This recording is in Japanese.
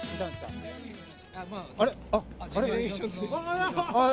あれ？